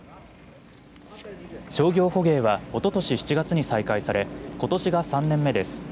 商業捕鯨は、おととし７月に再開され、ことしが３年目です。